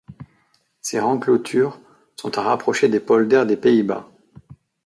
Ces renclôtures sont à rapprocher des polders des Pays-Bas.